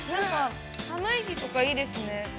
寒い日とかいいですね。